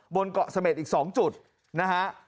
บนเกาะเสม็ดอีก๒จุดนะฮะ